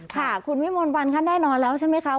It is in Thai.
ค่ะคุณวิมนต์วันค่ะแน่นอนแล้วใช่ไหมคะ